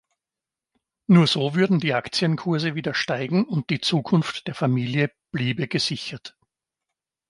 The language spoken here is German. Nur so würden die Aktienkurse wieder steigen und die Zukunft der Familie bliebe gesichert.